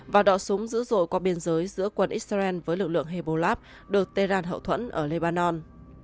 và đọ súng dữ dội qua biên giới giữa quân israel với lực lượng hebolab được tehran hậu thuẫn ở leban